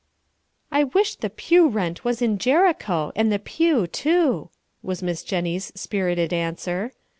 "I wish the pew rent was in Jericho, and the pew, too!" was Miss Jennie's spirited answer.